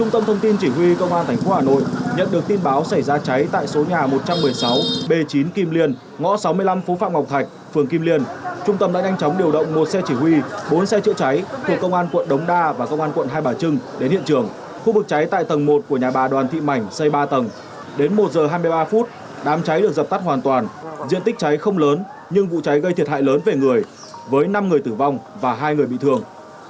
giờ hai mươi ba phút đám cháy được dập tắt hoàn toàn diện tích cháy không lớn nhưng vụ cháy gây thiệt hại lớn về người với năm người tử vong và hai người bị thương